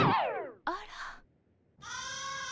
あら。